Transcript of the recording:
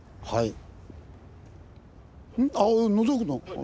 はい。